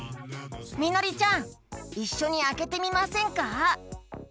みのりちゃんいっしょにあけてみませんか？